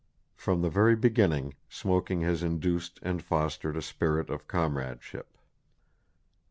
From the very beginning smoking has induced and fostered a spirit of comradeship.